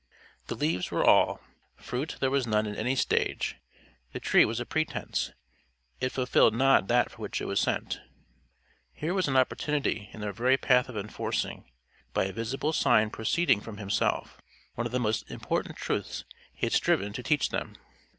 The leaves were all; fruit there was none in any stage; the tree was a pretence; it fulfilled not that for which it was sent. Here was an opportunity in their very path of enforcing, by a visible sign proceeding from himself, one of the most important truths he had striven to teach them.